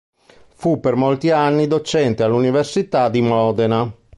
Fu per molti anni docente all'università di Modena.